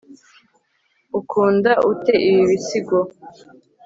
Ukunda ute ibi bisigo